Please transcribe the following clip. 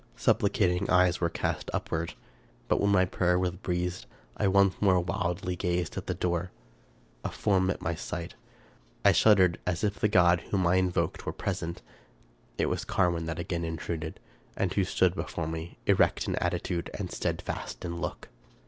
Supplicating eyes were cast upward ; but when my prayer was breathed I once more wildly gazed at the door. A form met my sight; I shud 297 American Mystery Stories dered as if the God whom I invoked were present. It was Carwin that again int« uded, and who stood before me, erect in attitude and stead last in look!